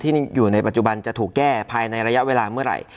อยู่ในปัจจุบันจะถูกแก้ภายในระยะเวลาเมื่อไหร่